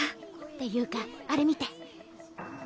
っていうかあれ見て。